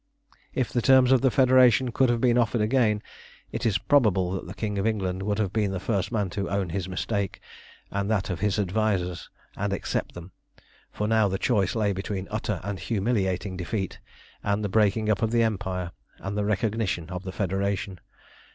If the terms of the Federation could have been offered again, it is probable that the King of England would have been the first man to own his mistake and that of his advisers and accept them, for now the choice lay between utter and humiliating defeat and the breaking up of the Empire, and the recognition of the Federation.